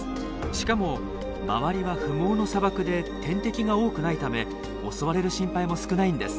しかも周りは不毛の砂漠で天敵が多くないため襲われる心配も少ないんです。